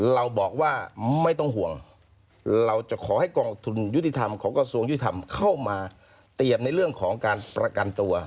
เราบอกว่าไม่ต้องห่วงเราจะขอให้กองทุนยุติธรรมของกระทรวงยุทธรรมเข้ามาเตรียมในเรื่องของการประกันตัว